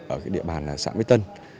ở địa bàn xã mỹ tân